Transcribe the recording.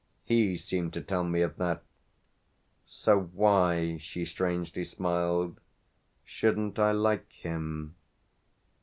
He seemed to tell me of that. So why," she strangely smiled, "shouldn't I like him?"